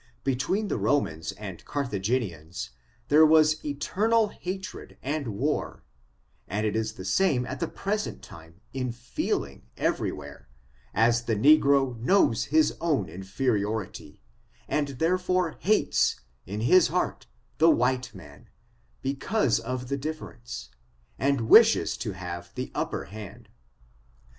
Between the Romans and Carthagenians there was eternal hatred and war; and it is the same at the present time in feeling every where, as the negro knows his own inferiority, and therefore hates, in his heart, the white man, because of the difference, and wishes to have the upper hand.